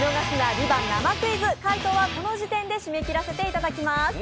ＶＩＶＡＮＴ生クイズ」、回答はこの時点で締め切らせていただきます。